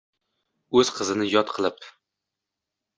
Oʼz qizini yot qilib